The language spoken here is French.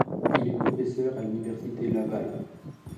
Il est professeur à l'Université Laval.